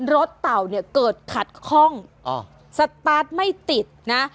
เต่าเนี่ยเกิดขัดข้องสตาร์ทไม่ติดนะ